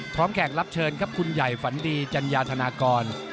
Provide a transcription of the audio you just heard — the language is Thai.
แขกรับเชิญครับคุณใหญ่ฝันดีจัญญาธนากร